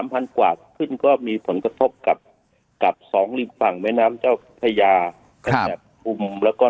พันกว่าขึ้นก็มีผลกระทบกับกับสองลิฟท์ฝั่งแม้น้ำเจ้าพญาครับอุ่มแล้วก็